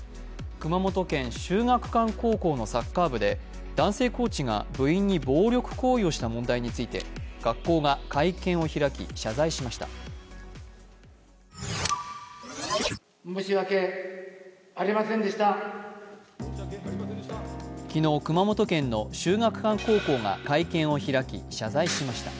熊本県・秀学館高校のサッカー部で、男性コーチが部員に暴力行為をした問題について学校が会見を開き、謝罪しました。